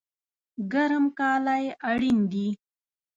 ګرم کالی اړین دي